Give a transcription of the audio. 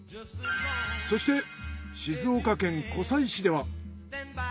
そして静岡県湖西市では。